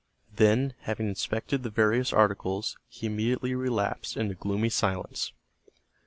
Then, having inspected the various articles, he immediately relapsed into gloomy silence.